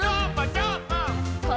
どーも！